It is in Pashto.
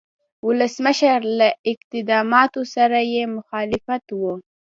د ولسمشر له اقداماتو سره یې مخالفت و.